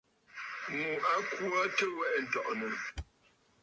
Ŋù a kwo aa tɨ̀ wɛʼɛ̀ ǹtɔ̀ʼɔ̀nə̀.